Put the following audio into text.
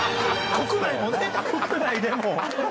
国内でも。